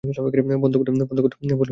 বন্ধ করতে বললেই থেমে যাবো।